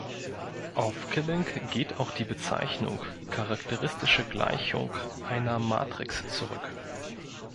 Auf Killing geht auch die Bezeichnung "charakteristische Gleichung" einer Matrix zurück.